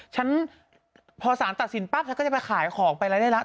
ฉันพอสารตัดสินปั๊บฉันก็จะไปขายของไปรายได้ละ